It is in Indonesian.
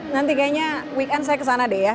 nanti kayaknya weekend saya kesana deh ya